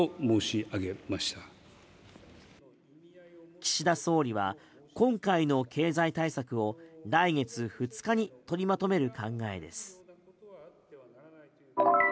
岸田総理は今回の経済対策を来月２日に取りまとめる考えです。